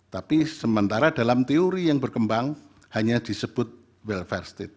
tapi sementara dalam teori yang berkembang hanya disebut welfare state